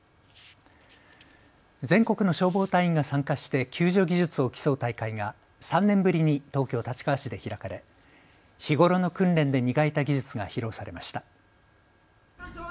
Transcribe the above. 全国の消防隊員が参加して救助技術を競う大会が３年ぶりに東京立川市で開かれ日頃の訓練で磨いた技術が披露されました。